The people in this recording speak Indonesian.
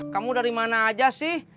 kamu dari mana aja sih